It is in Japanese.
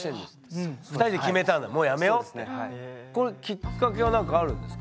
これきっかけは何かあるんですか？